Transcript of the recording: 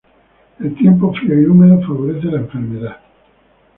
El tiempo frío y húmedo favorece la enfermedad.